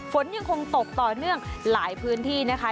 ฝนยังคงตกต่อเนื่องหลายพื้นที่นะคะ